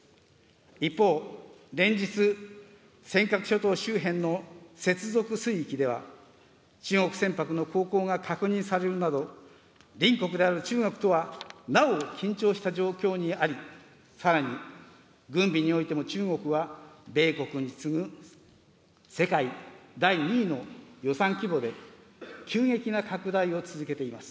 一方、連日、尖閣諸島周辺の接続水域では、中国船舶の航行が確認されるなど、隣国である中国とはなお緊張した状況にあり、さらに軍備においても中国は米国に次ぐ世界第２位の予算規模で、急激な拡大を続けています。